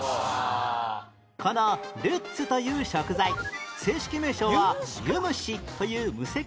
このルッツという食材正式名称はユムシという無脊椎動物